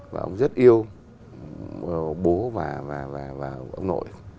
và ông ấy rất yêu bố và ông nội